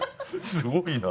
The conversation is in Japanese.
すごいな。